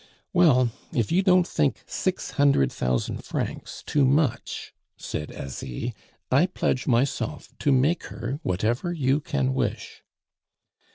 Well, if you don't think six hundred thousand francs too much," said Asie, "I pledge myself to make her whatever you can wish."